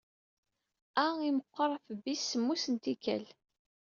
A imqqur xf B s smmus n tikkal